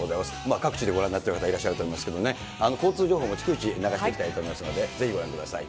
各地でご覧になってる方いらっしゃると思いますけれどもね、交通情報も逐一流していきたいと思いますので、ぜひご覧ください。